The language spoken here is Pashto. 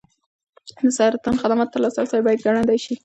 د سرطان خدماتو ته لاسرسی باید ګړندی شي.